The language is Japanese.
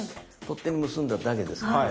取っ手に結んだだけですから。